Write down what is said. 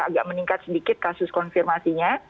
agak meningkat sedikit kasus konfirmasinya